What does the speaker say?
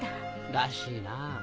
らしいなぁ。